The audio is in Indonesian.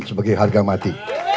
sebagai harga mati